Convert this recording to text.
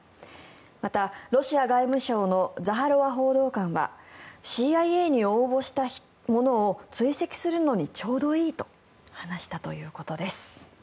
また、ロシア外務省のザハロワ報道官はＣＩＡに応募した者を追跡するのにちょうどいいと話したということです。